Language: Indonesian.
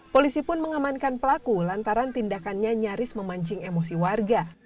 polisi pun mengamankan pelaku lantaran tindakannya nyaris memancing emosi warga